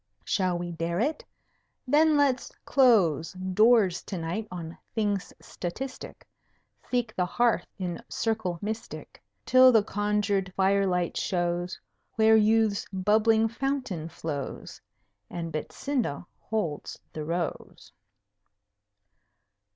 Shall we dare it? Then let's close Doors to night on things statistic, Seek the hearth in circle mystic, Till the conjured fire light shows Where Youth's bubbling Fountain flows, And Betsinda holds the Rose.